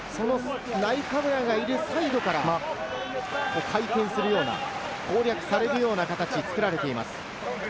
ナイカブラがいるサイドから回転するような、攻略されるような形を作られています。